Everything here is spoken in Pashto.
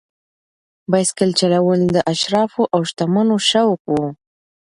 بایسکل چلول د اشرافو او شتمنو شوق و.